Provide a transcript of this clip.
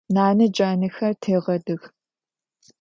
Нанэ джанэхэр тегъэдых.